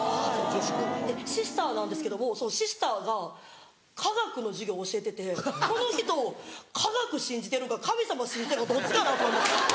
シスターなんですけどもそのシスターが化学の授業教えててこの人化学信じてるか神様信じてるかどっちかなと思って。